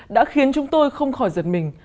đã khiến chúng tôi không thể tìm ra những nấm trôi nốt